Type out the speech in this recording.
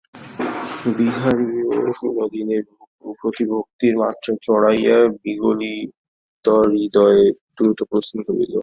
বিহারীও বিনোদিনীর প্রতি ভক্তির মাত্রা চড়াইয়া বিগলিতহৃদয়ে দ্রুত প্রস্থান করিল।